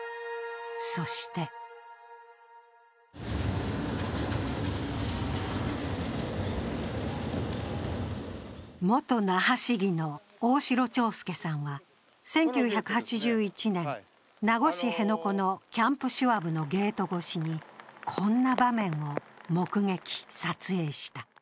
そして元那覇市議の大城朝助さんは、１９８１年、名護市辺野古のキャンプ・シュワブのゲート越しに、こんな場面を目撃・撮影した。